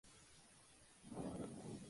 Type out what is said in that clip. Su cultivo se ha extendido a todo el planeta.